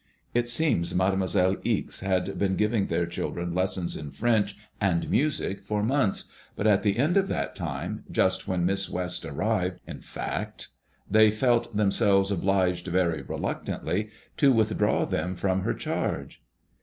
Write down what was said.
It seems Mademoiselle Ixe had been giving their children lessons in French and music for months, but at the end of that time, just when Miss West arrived, in fact, they felt themselves obliged, very reluctantly, to withdraw them from her charge."